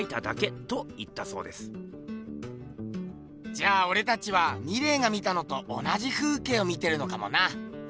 じゃあおれたちはミレーが見たのと同じ風景を見てるのかもな。